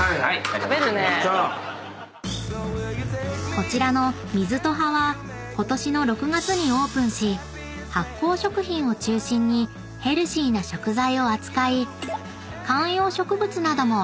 ［こちらの水ト葉はことしの６月にオープンし発酵食品を中心にヘルシーな食材を扱い］